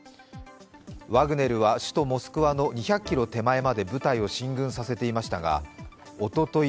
ワグネルは首都・モスクワの２００ｋｍ手前まで部隊を進軍させていましたがおととい